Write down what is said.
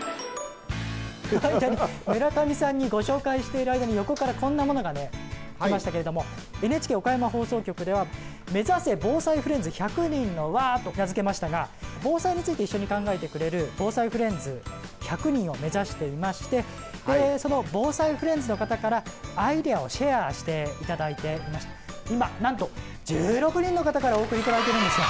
村上さんにご紹介している間に横からこんなものがね来ましたけれどもＮＨＫ岡山放送局では「めざせ！防災フレンズ１００人の輪！」と名付けましたが防災について一緒に考えてくれる防災フレンズ１００人を目指していましてでその防災フレンズの方からアイデアをシェアして頂いていまして今なんと１６人の方からお送り頂いてるんですよ。